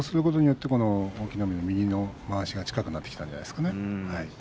右のまわしが近くなってきたんじゃないですかね。